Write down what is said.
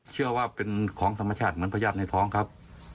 เชื่อว่าเป็นของสัมมัติศาสตร์เหมือนพระญาติในท้องครับ